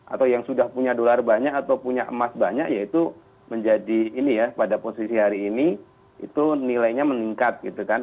atau yang sudah punya dolar banyak atau punya emas banyak yaitu menjadi ini ya pada posisi hari ini itu nilainya meningkat gitu kan